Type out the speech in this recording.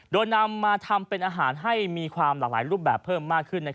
โดยนำมาทำเป็นอาหารให้มีความหลากหลายรูปแบบเพิ่มมากขึ้น